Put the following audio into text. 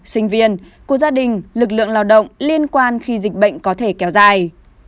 sinh viên của gia đình lực lượng lao động liên quan khi dịch bệnh có thể kéo dài